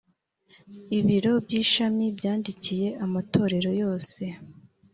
ibiro by ishami byandikiye amatorero yose